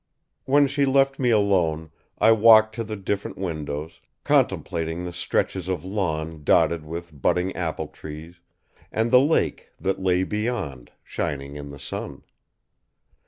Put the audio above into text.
When she left me alone, I walked to the different windows, contemplating the stretches of lawn dotted with budding apple trees and the lake that lay beyond shining in the sun.